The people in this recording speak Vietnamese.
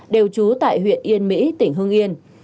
đều chú tại huyện yên mỹ tỉnh hưng yên